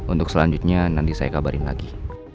untuk selanjutnya nanti saya kabarin lagi